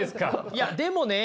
いやでもね